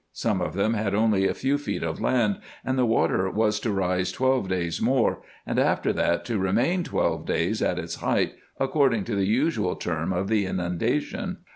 Some of them had only a few feet of land, and the water was to rise twelve days more, and after that to remain twelve days at its height, according to the usual term of the inundation.